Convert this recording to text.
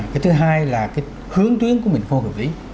cái thứ hai là cái hướng tuyến của mình vô hợp lý